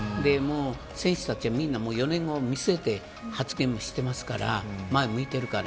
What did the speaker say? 選手たちはみんな４年後を見据えて発言もしてますから前を見てるから。